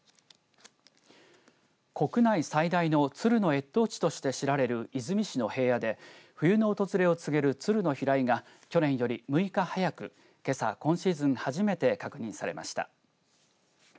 国内最大の鶴の越冬地として知られる出水市の平野で冬の訪れを告げる鶴の飛来が去年より６日早くけさ、今シーズン初めて確認されました。